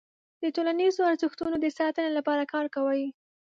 د ټولنیزو ارزښتونو د ساتنې لپاره کار کوي.